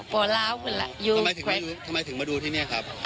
ทำไมถึงมาดูที่นี่ครับ